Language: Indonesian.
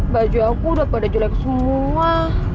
baju aku udah pada jelek semua